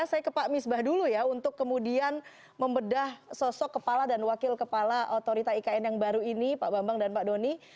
saya ke pak misbah dulu ya untuk kemudian membedah sosok kepala dan wakil kepala otorita ikn yang baru ini pak bambang dan pak doni